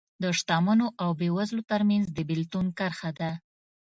د شتمنو او بېوزلو ترمنځ د بېلتون کرښه ده